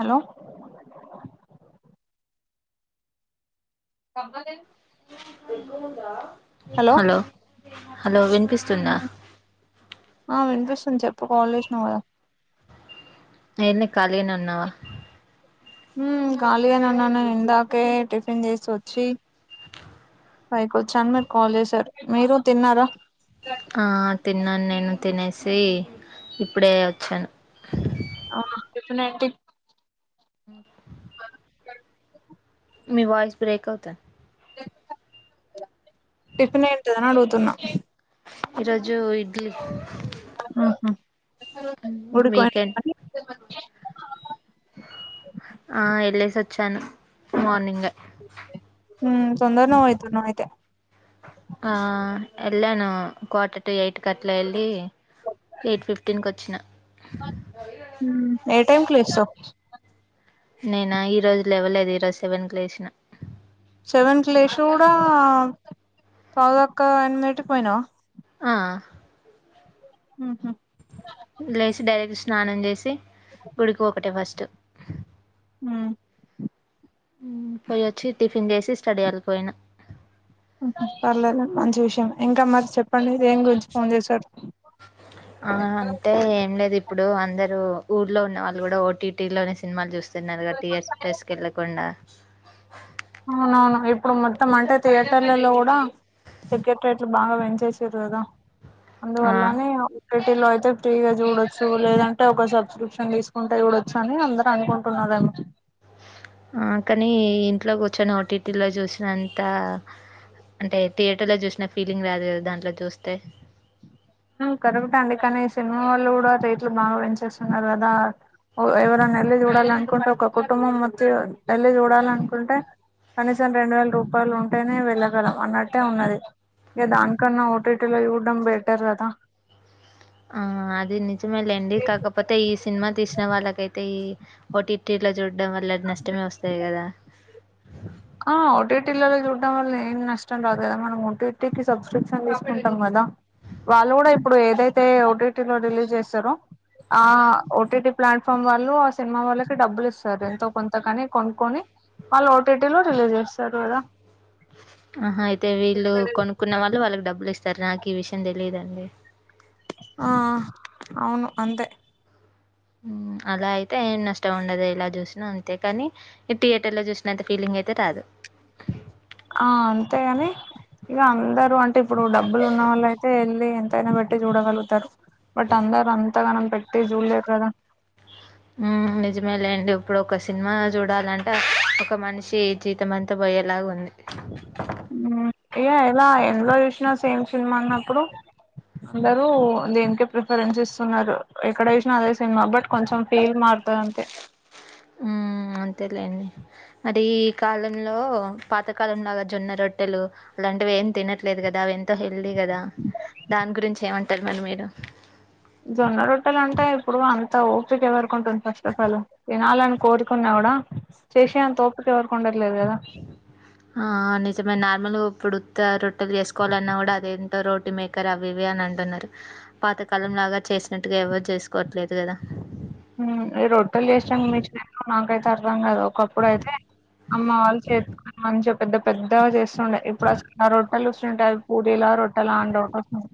Hello కబద hello hello విన్పిస్ మ్ ఆ వినిపిస్తుంది చెప్పు కాల్ చేసినవ్ కదా ఏందీ కళీగనే ఉన్నావా న్ ఖాళీగానే ఉన్నాను ఇందాకే టిఫిన్ చేసి వచ్చి ఫైకి వచ్చాను మీరు కాల్ చేసారు మీరు తిన్నారా ఆ తిన్నాను నేను తినేసి ఇప్పుడే వచ్చాను ఆ టిఫిన్ ఏంటి [inaudible] [inaudible] మీ వయిస్ బ్రేక్ అవుతంది ఎ టిఫిన్ ఏంటిదని అడుగుతున్నా ఈ రోజు ఇడ్లీ మ్ హు ఉడు వీకెండ్ ఆ వెళ్ళేసి వచ్చాను మార్నింగే మ్ తొందర్నె పోతున్నావ్ అయితే ఆ ఎళ్ళను క్వాటి టు ఎయిట్ కట్ల వేళ్ళి ఎయిట్ ఫిఫ్టీన్కి వచ్చిన ఏ టైమ్ కి లేచవ్ నేనా ఈ రోజు లెవలేదు ఈ రోజు సెవెన్ కి లేసిన సెవెన్ కి లేశిన కూడా పాదక్క ఎనిమిదిటికి పోయినావ ఆ హుమ్ హు లేసి డైరెక్ట్ స్నానం చేసి గుడికి ఒకటే ఫస్ట్ హుమ్ పోయోచ్చి టిఫిన్ చేసి స్టడీయల్ పోయినా పర్లేదు మంచి విషయం ఇంకా మరి చెప్ మళ్లీ దేన్ గురించి ఫోన్ చేశారు ఆ! అంటే ఏం లేదు ఇప్పుడు అందరు ఊర్లో ఉన్న వాళ్ళు కూడా ఓటీటీ లోనే సినిమాలు చూస్ తున్నారు గా టి ఎస్ టెస్ట్ ఎల్లకుండా అవునవును ఇప్పుడు మొత్తం అంటే థియేటర్లలో కూడా టికెట్ రేట్లు బాగా పెంచేసిరు కదా ఆ అందువల్లనే ఓటిటీ లో అయితే ఫ్రీగా చూడొచ్చు లేదంటే ఒక సబ్స్క్రిప్షన్ తీసుకుంటే చూడొచ్చని అందరు అనుకుంట అనుకుంటున్నారేమో కానీ ఇంట్లో కూర్చొని ఓటీటీలో చూసినంత అంటే థియేటర్ లో చూసిన ఫీలింగ్ రాదు కదా దాంట్లో చూస్తే కరెకక్టే అండి కానీ సినిమా వాళ్ళు కూడా రేట్లు బాగా పెంచేస్తున్నారు కదా ఎవరైనా ఎళ్లి చూడాలి అనుకుంటే ఒక కుటుంబం మొత్తం ఎళ్లి చూడాలి అనుకుంటే కనీసం రెండు వేల రూపాయలు ఉంటేనే వెళ్ళగలం అన్నట్టే ఉన్నది ఇంకా దానికన్నా ఓటటిలో చూడ్డం బెటర్ కదా ఆ అది నిజమే లేండి కాకపోతే ఈ సినిమా తీసిన వాళ్ళకైతే ఈ ఓటి టి లో చూడడం వల్ల నష్టమే వస్తాయి కదా ఆ ఓటిటి ల చూడడం వల్ల ఏం నష్టం రాదు కదా మనం ఒటీటికి సబ్స్క్రిప్షన్ తీసుకుంటాం కదా వాళ్ళు కూడా ఇప్పుడు ఏదైతే ఓటీటీ లో రిలీజ్ చేసారో ఆ ఓటీటీ ప్లాట్ఫామ్ వాళ్ళు ఆ సినిమా వాళ్ళకి డబ్బులు ఇస్తారు ఎంతో కొంత కాని కొనుక్కొని వాళ్ళు ఓటీటీ లో రిలీజ్ చేస్తారు కదా ఆహా అయితే వీళ్ళు కొనుక్కున్న వాళ్ళు వాళ్ళకి డబ్బులు ఇస్తారు నాకు ఈ విషయం తెలియదుండి ఆ అవును అంతే అలా అయితే ఏ నష్టం ఉండదు ఎలా చూసినా అంతే కాని ఈ థియేటర్ ల చూసినంత ఫీలింగ్ అయితే రాదు ఆ అంతేగాని ఇగ అందరు అంటే ఇప్పుడు డబ్బులు ఉన్న వాళ్ళయితే వెళ్ళి ఎంతైనా పెట్టి చూడగలుగుతారు బట్ అందరు అంతగనం పెట్టి జులేరు కదా హుమ్ నిజమే లేండి ఇప్పుడు ఒక సినిమా చూడాలంటే ఒక మనిషి జీతం అంతా పోయేలాగా ఉంది ఏ ఎలా ఎందులో చూసినా సేమ్ సినిమా అనప్పుడు అందరు దీనికే ప్రిఫరెన్స్ ఇస్తున్నారు ఎక్కడ వేసినా అదే సినిమా బట్ కొంచెం ఫేమ్ మార్ తది అంతే హుమ్ అంతేలేండి మరి ఈ కాలంలో పాతకాలంలాగా జొన్న రొట్టెలు అలాంటివి ఏం తినట్లేదు కదా అవి ఎంతో హెల్దీ కదా దాని గురించి ఏమంటారు మరి మీరు జొన్న రొట్టెలు అంటే ఇప్పుడు అంత ఓపిక ఎవరికుంటది ఫస్ట్ ఆఫ్ ఆల్ వినాలని కోరుకున్నా కుడా చేసే అంత వోపీక ఎవరికి ఉండట్లేదు కదా ఆ నిజమే నార్మల్గా ఇప్పుడు ఉత్త రొట్టెలు చేసుకోవాలన్నా కూడా అదేంత రొటీ మే ఆవి ఇవి అని అంటున్నారు పాతకాలం లాగా చేసినట్టుగా ఎవరు చేసుకోవట్లేదు కదా ఈ రొట్టెలు చేస్తాం మీచో నాకైతే అర్థం కదా ఒకప్పుడు అయితే అమ్మ వాళ్ళ చే మంచిగా పెద్ద పెద్దగా చేస్తుండే ఇప్పుడు అసలు రొట్టెలు వస్తుంటాయి అవి పూరీలా రొట్టెలా అనీ డౌట్ వస్తున్నయి.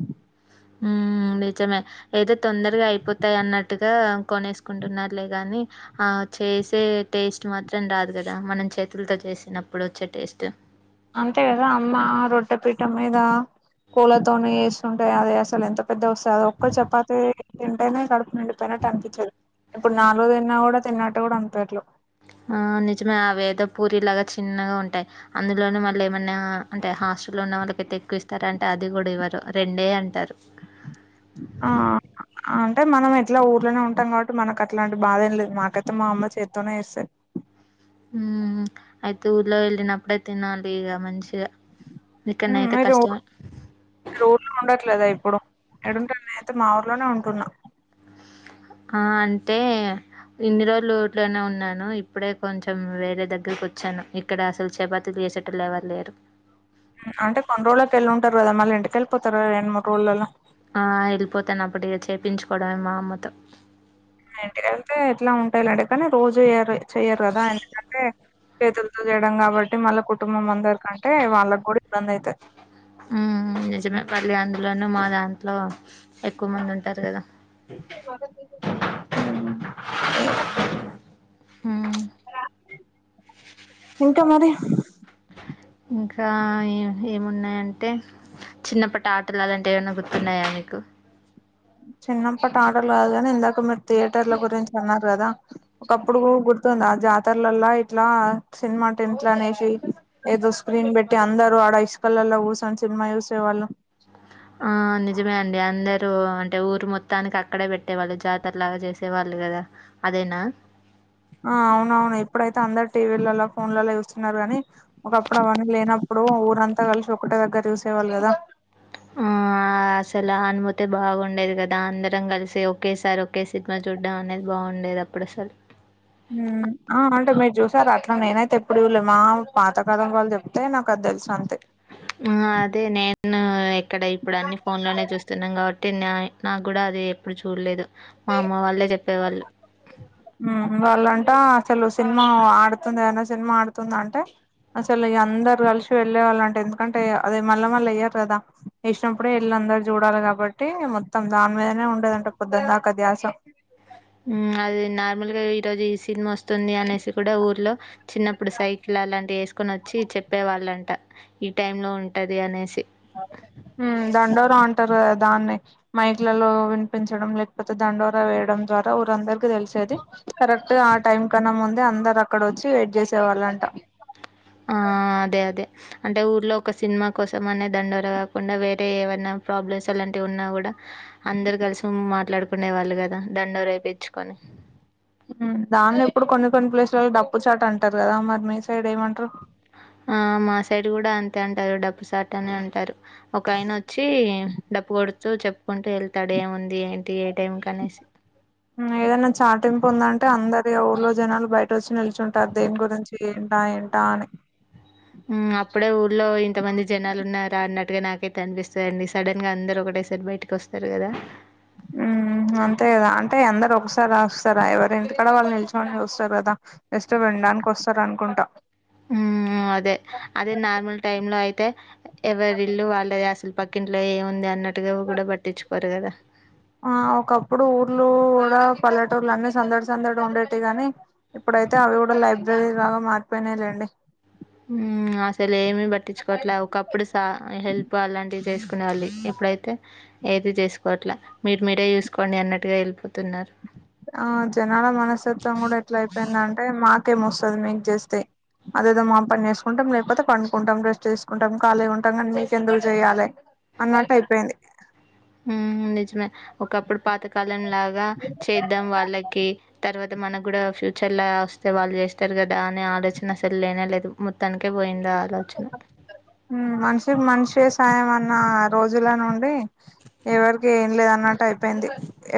హ్ నిజమే ఏదో తొందరగా అయిపోతాయి అన్నట్టుగా కొనేసుకుంటున్నారులే గాని ఆ చేసే టేస్ట్ మాత్రం రాదు కదా మనం చేతులతో చేసినప్పుడు వచ్చే టేస్ట్ అంతే కదా అమ్మ రొట్టే పీఠం మీద పూలతోనే ఏస్తుంటాయి అది అసలు అది ఎంత పెద్దగా వస్తుంది. అ ఒక్క చపాతి తింటెనే కడుపు నిండిపోయినట్టు అనిపించదు ఇప్పుడు నాలుగు తిన్నా కూడా తిన్నట్టు కూడా అనిపియట్లే ఆ నిజమే ఆవి అయితే పూరి లాగా చిన్నగా ఉంటాయి అందులోనే మళ్ళ ఏమన్నా అంటే హాస్టల్లో ఉన్న వాళ్ళకైతే ఎక్కువ ఇస్తారా అంటే అది కూడా ఇవ్వరు రెండే అంటారు. ఆ అంటే మనం ఎట్లా ఊర్లోనే ఉంటాం కాబట్టి మనకు అట్లాంటి బాధ ఏం లేదు మాకైతే మా అమ్మ చేతితోనే ఇస్తాది. హ్ అయితే ఊర్లో వెళ్ళినప్పుడే తినాలి ఇగ మంచిగా హ్మ్ ఇక్కడనయితే మీరు కష్టమే మీరు ఊర్లో ఉండట్లేదా ఇప్పుడు ఎడుంటా నేను అయితే మా ఊర్లోనే ఉంటున్నా ఆ అంటే ఇన్ని రోజులు ఊర్లోనే ఉన్నాను ఇప్పుడే కొంచెం వేరే దగ్గరకు వచ్చాను ఇక్కడ అసలు చపాతీలు చేసేటోల్లు ఎవరు లేరు అంటే కొన్ని రోజులకి వెళ్ళి ఉంటారు కదా మళ్ళీ ఇంటికేల్లిపోతారు రెండు మూడు రోజులల్ల ఆ వెళ్ళిపోతాను అప్పుడు ఇగా చేపించుకోవడమే మా అమ్మతో ఇంటికెళ్తే ఇట్లా ఉంటాలాండి కాని రోజు చేయ్యరు చెయ్యరు కదా ఎందుకంటే చేతులతో చేయడం కాబట్టి మళ్ళ కుటుంబం అందరికంటే వాళ్ళకి కూడా ఇబ్బంది అయితది నిజమే మళ్ళీ అందులోనూ మా దాంట్లో ఎక్కువ మంది ఉంటారు కదా హ్ ఏయా హ్మ్. ఇంకా మరి ఇంకా ఏమున్నాయంటే చిన్నప్పటి ఆటలు అలాంటివి ఏమైనా గుర్తున్నాయా మీకు చిన్నప్పటి ఆటలు కాదు కానీ ఇందాక మీరు థియేటర్ల గురించి అన్నారు కదా ఒకప్పుడు గుర్తుంద ఆ జాతరలలా ఇట్లా సినిమా టేమ్ట్ల అనేసి ఏదో స్క్రీన్ పెట్టి అందరు ఆడ ఇస్కల్ లల్ల కూసోని సినిమా చూసే వాళ్ళు ఆ నిజమే అండి అందరూ అంటే ఊరు మొత్తానికి అక్కడే పెట్టేవాళ్ళు జాతరలాగా చేసేవాళ్ళు కదా అదేనా ఆ అవునవును ఇప్పుడైతే అందరు టీవీలలో ఫోన్లలో చూస్తున్నారు గాని ఒకప్పుడు అవన్నీ లేనప్పుడు ఊరంతా కలిసి ఒకటే దగ్గర చూసేవాళ్ళు కదా ఆ అసలు అనుమతే బాగుండేది కదా అందరం కలిసి ఒకేసారి ఒ ఓకే సినిమా చూడ్డం అనేది బాగుండేది అప్పుడు అసలు ఆ అంటే మీరు చూసారు అట్లా నేనైతే ఎప్పుడు చూడలే మా పాత కాలం వాళ్ళు చెప్తే నాకు అది తెలుసు అంతే ఉ అదే నేను ఇక్కడ ఇప్పుడు అన్ని ఫోన్ లోనే చూస్తున్నా కాబట్టి తిన నాకు కూడా అది ఎప్పుడు చూడలేదు మా అమ్మ వాళ్ళే చెప్పేవాళ్ళు వాళ్ళంటా అసలు సినిమా ఆడుతుంది ఏనా సినిమా ఆడుతుంది అంటే అసలు ఇగ అందరు కలిసి వెళ్ళే వాళ్ళు అంటే ఎందుకంటే అదే మళ్ళ మళ్ళ ఎయ్యరు కదా! ఏసినప్పుడే ఎళ్ళి అందరు చూడాలి కాబట్టి మొత్తం దాని మీదనే ఉంటదంట పొద్దందాకా ధ్యాస. మ్మ్ అది నార్మల్ గా ఈ రోజు ఈ సినిమా వస్తుంది అనేసి కూడా ఊర్లో చిన్నప్పుడు సైకిల్ అలాంటివి ఏసుకొని వచ్చి చెప్పే వాళ్ళంట ఈ టైం లో ఉంటది అనేసి. మ్మ్ దండోర అంటారు కదా దాన్నే. మైక్లలల్లో వినిపించడం లేకపోతే దండోరా వేయడం ద్వారా ఊరందరికి తెలిసేది. కరెక్ట్ గా ఆ టైం కన్నా ముందే అందరు అక్కడ వచ్చి వెయిట్ చేసే వాళ్ళంట. ఆఁ అదే అదే అంటే ఊర్లో ఒక సినిమా కోసం అనే దండోర కాకుండా వేరే ఏవైనా ప్రాబ్లమ్స్ అలాంటివి ఉన్నా కూడ అందరు కలిసి మాట్లాడుకునే వాళ్ళు కదా దండోరా ఏపిచ్చుకొని మ్ దానిలో ఇప్పుడు కొన్ని కొన్ని ప్లేసులల్లో డప్పు చాటు అంటారు కదా! మరి మీ సైడ్ ఏమంటరు? ఆఁ మా సైడ్ కూడ అంతే అంటారు డబ్బు సాటు అనే అంటారు. ఒక ఆయన వచ్చి డప్పు కొడు తు చెప్పుకుంటూ వెళ్తడు ఏముంది, ఏంటి, ఏ టైం కనేసి మ్ ఏదన్న చాటింపు ఉందంటే అందరి ఊళో జనాలు బయట వచ్చి నిలిచుంటారు దేని గురించి ఏంటా ఏంటా అని మ్మ్ అప్పుడే ఊర్ళో ఇంతమంది జనాలు ఉన్నారా అన్నట్టుగా నాకైతే అనిపిస్తది అండి సడన్ గా అందరు ఒకటేసారి బయిట కొస్తరు కదా మ్మ్ అంతే కదా అంటే అందరు ఒకసారి రాస్తారా ఎవరి ఇంటికాడ వాళ్ళు నిలిచొని చూస్తరు కదా జస్టు విండానికి వస్తరు అనుకుంట మ్మూఁ అదే అదే నార్మల్ టైమ్ లో అయితే ఎవరి ఇల్లు వాళ్ళదే అసలు పక్కింట్లో ఏముంది అన్నట్టుగా కూడ పట్టిచుకోరు కదా! ఆఁ ఒకప్పుడు ఊర్లు కూడ పల్లెటూర్లు అన్ని సందడి సందడి ఉండేటివీ గానీ ఇప్పుడైతే అవి కూడ లైబ్రరీ లాగా మారిపోయినై లేండి. మ్మూఁ అ సలు ఏమీ పట్టించుకోవట్లే ఒకప్పుడు సా హెల్ప్ అలాంటివి చేసుకునే వాళ్ళు. ఇప్పుడైతే ఏది చేసుకోవట్లా మీరు మీరే చూసుకోండి అన్నట్టుగా ఎళ్ళిపోతున్నారు. ఆ జనాల మనస్తత్వం కూడ ఎట్ల అయిపోయిందంటే మాకేమొస్తుంది మీకు చేస్తే అదేదో మా పని చేసుకుంటం లేకపోతే పండుకుంటం రెస్ట్ చేసుకుంటం ఖాళిగా ఉంటం గాని మీకెందుకు చేయాలే అన్నట్టు అయిపోయింది. మ్మ్ మ్ నిజమే ఒకప్పుడు పాతకాలం లాగా చేద్దాం వాళ్ళకి తర్వా త మనకు గూడ ఫ్యూచర్ల వస్తే వాళ్ళు చేస్తరు కదా అనే ఆలోచన అసలు లేనే లేదు. మొత్తానికే పోయిందా ఆలోచన మనిషికి మనిషే సాయం అన్న రోజుల నుండి, ఎవరికి ఏం లేదు అన్నట్టు అయిపోయింది.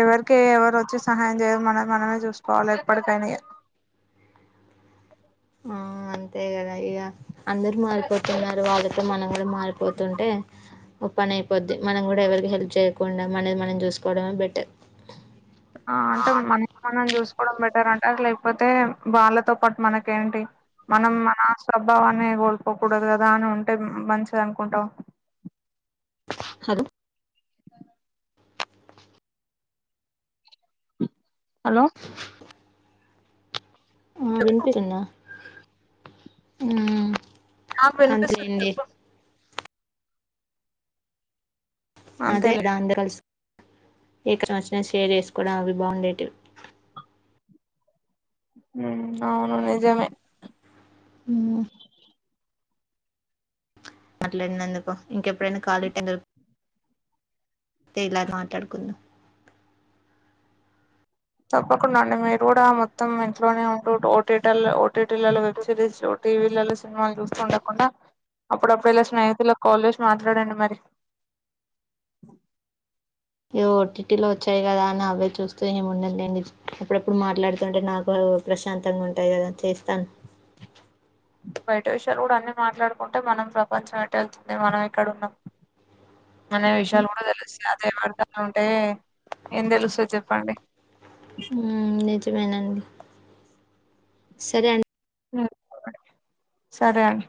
ఎవరికి ఎవరు వచ్చి సహాయం చేయరు మనది మనమే చూసుకోవాలి ఎప్పటికైనా ఇగ ఆ అంతే కదా ఇగ అందరు మారిపోతున్నారు వాళ్ళ తో మనం గూడ మారిపోతుంటే ఓ పని అయిపోద్ది మనం గూడ ఎవరికి హెల్ప్ చేయకుండా మనది మనం చూసుకోవడమే బెటర్! ఆ అంటే మనం మనం చూసుకోవడం బెటర్ అంటే లేకపోతే వాళ్ళతో పాటు మనకేంటి మనం మన స్వభావాన్ని కోల్పోకూడదు కదా అని ఉంటే మంచిది అనుకుంటం హలో హలో ఆఁ వినిపిస్తుందా? మ్మ్ ఆ విన్పిస్సుంది అంతేలేండి ఎప్పు అదే అంతేలే దాన్ద కల్స్ ఏక వచన షేర్ చేసుకోవడం అవి బాగుండేటివి హూ అవును నిజమే హూ మాట్లాడ్నందుకు ఇంకెప్పుడైనా కాలీ టైం దొ తే ఇలా మాట్లాడుకుందం తప్పకుండా అండి మీరు గూడా మొత్తం ఇంట్లోనే ఉంటూ ఓటీటల్ ఓటీటీలల్లో వెబ్ సిరీస్ చూ టీవీలల్లో సినిమాల్ చూస్తూ ఉండకుండా అప్పుడప్పుడు ఇలా స్నేహితుల కాల్ చేసి మాట్లాడండి మరి ఏ ఓ టిటిలో ఒచ్చాయ్ గదా అని అవే చూస్తే ఏం ఉండలేండి అప్పుడప్పుడు మాట్లాడుతుంటే నాకూ అదో ప్రశాంతంగ ఉంటయ్ గదా చేస్తాన్ బయట విషయాలు గూడా అన్ని మాట్లాడుకుంటే మనం ప్రపంచం ఎట్ ఎళ్తుంది మనం ఎక్కడున్నం అనే విషయాలు గూడ తెలుస్తా అదే వర్గాలో ఉంటే ఏం దెలుస్తద్ జెప్పండి హూ నిజమేనాండి సరే అండి సరే అండి